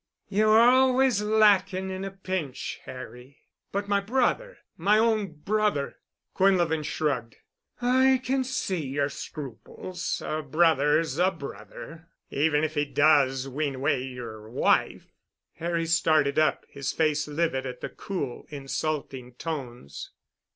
"Ye were always lacking in a pinch, Harry——" "But my brother—my own brother——" Quinlevin shrugged. "I can see yer scruples. A brother's a brother, even if he does wean away yer wife." Harry started up, his face livid at the cool, insulting tones.